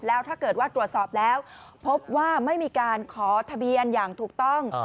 แล้วถ้าเกิดว่าตรวจสอบแล้วพบว่าไม่มีการขอทะเบียนอย่างถูกต้อง